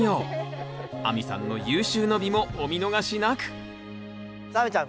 亜美さんの有終の美もお見逃しなくさあ亜美ちゃん